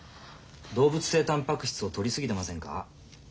動物性たんぱく質を取り過ぎてませんか？